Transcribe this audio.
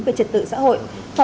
về trật tự xã hội